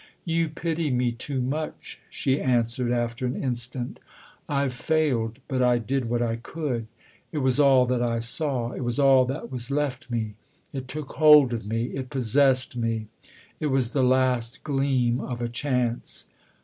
"You pity me too much," she answered after an instant. " I've failed, but I did what I could. It was all that I saw it was all that was left me. It took hold of me, it possessed me : it was the last gleam of a chance."